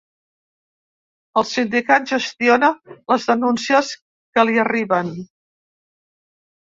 El sindicat gestiona les denúncies que li arriben.